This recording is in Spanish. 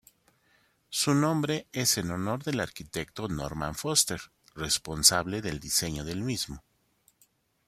Su nombre es en honor del arquitecto Norman Foster, responsable del diseño del mismo.